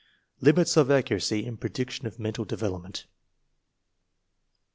Limits of accuracy in prediction of mental develop* ment.